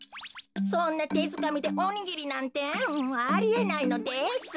そんなてづかみでおにぎりなんてありえないのです。